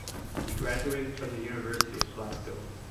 He graduated from the University of Glasgow.